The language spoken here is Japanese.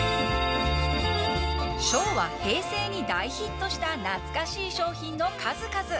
昭和、平成に大ヒットした懐かしい商品の数々。